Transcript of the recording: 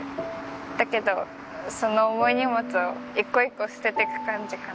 だけどその重い荷物を一個一個捨てていく感じかな。